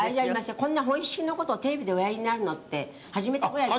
こんな本式の事をテレビでおやりになるのって初めてぐらいじゃ」